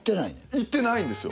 行ってないんですよ。